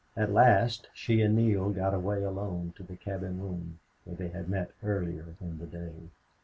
At last she and Neale got away alone to the cabin room where they had met earlier in the day.